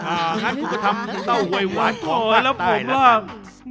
อ่างั้นคุณก็ทำเต้าหวยหวานของภาคใต้นะครับ